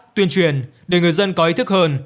tuyên truyền để người dân có ý thức hơn